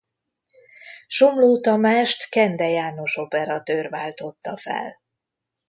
Somló Tamást Kende János operatőr váltotta fel.